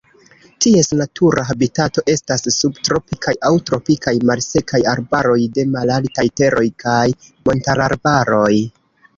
Ties natura habitato estas subtropikaj aŭ tropikaj malsekaj arbaroj de malaltaj teroj kaj montararbaroj.